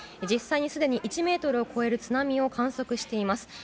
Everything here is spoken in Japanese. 実際にすでに１ｍを超える津波を観測しています。